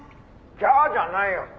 「“じゃあ”じゃないよ！」